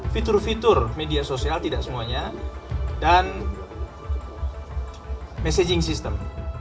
fitur fitur media sosial tidak semuanya dan messaging system